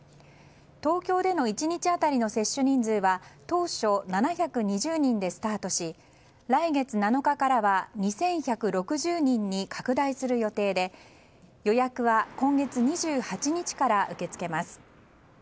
東京での１日当たりの接種人数は当初７２０人でスタートし来月７日からは２１６０人に拡大する予定で予約は今月２８日から受け付けます。